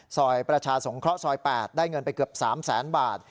ซอยประชาสงเคราะห์ซอย๘ได้เงินไปเกือบ๓แสนบาท